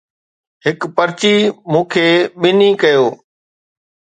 هڪ پرچي مون کي ٻنهي ڪيو